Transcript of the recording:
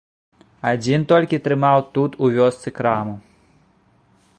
Адзін толькі трымаў тут у вёсцы краму.